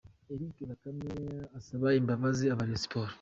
Eric Bakame arasaba imbabazi aba Rayon Sports.